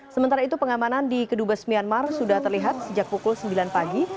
sementara itu pengamanan di kedubes myanmar sudah terlihat sejak pukul sembilan pagi